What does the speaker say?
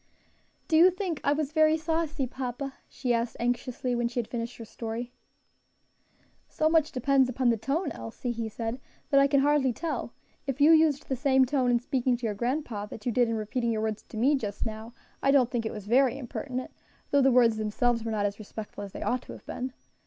"Do you think I was very saucy, papa?" she asked anxiously, when she had finished her story. "So much depends upon the tone, Elsie," he said, "that I can hardly tell; if you used the same tone in speaking to your grandpa that you did in repeating your words to me just now, I don't think it was very impertinent; though the words themselves were not as respectful as they ought to have been.